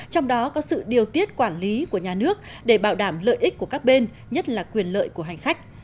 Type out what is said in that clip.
trong đó có sự điều tiết quản lý của nhà nước để bảo đảm lợi ích của các bên nhất là quyền lợi của hành khách